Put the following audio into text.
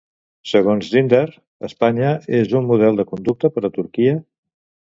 Segons Dündar, Espanya és un model de conducta per a Turquia?